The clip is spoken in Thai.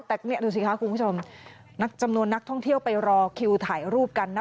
แต่นี่ดูสิคะคุณผู้ชมจำนวนนักท่องเที่ยวไปรอคิวถ่ายรูปกันนะ